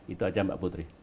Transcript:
itu aja mbak putri